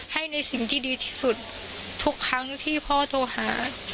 ให้ในสิ่งที่ดีที่สุดทุกครั้งที่พ่อโทรหา